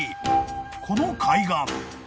この海岸］